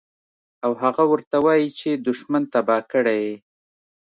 او هغه ورته وائي چې دشمن تباه کړے ئې